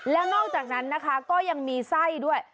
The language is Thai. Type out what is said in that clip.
แล้วนอกจากนั้นนะคะก็ยังมีไส้ด้วย